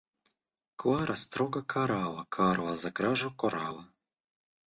Клара строго карала Карла за кражу коралла.